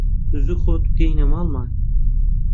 زوو خۆت بگەیەنە ماڵمان